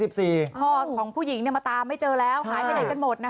พ่อของผู้หญิงเนี่ยมาตามไม่เจอแล้วหายไปเด็กกันหมดนะครับที่บ้าน